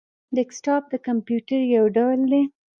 ډیسکټاپ د کمپيوټر یو ډول دی